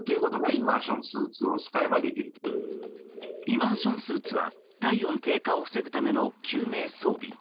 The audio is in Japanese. イマーションスーツは体温低下を防ぐための救命装備。